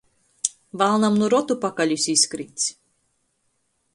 Valnam nu rotu pakalis izkrits.